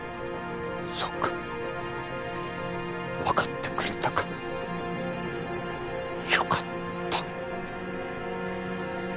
そうかわかってくれたか良かった。